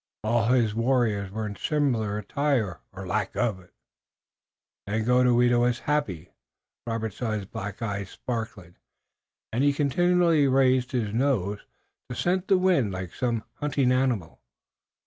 All his warriors were in similar attire or lack of it. Daganoweda was happy. Robert saw his black eyes sparkling, and he continually raised his nose to scent the wind like some hunting animal.